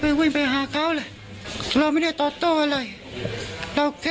พอเลี้ยวพอพอเราเดินเยอะแรก